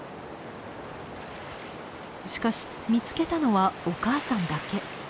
しかし見つけたのはお母さんだけ。